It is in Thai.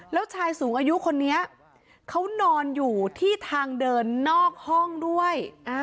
แล้วชายสูงอายุคนนี้เขานอนอยู่ที่ทางเดินนอกห้องด้วย